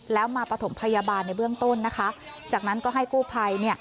แล้วมาปฐมพยาบาลในเบื้องต้นนะคะจากนั้นก็ให้กู้ภัย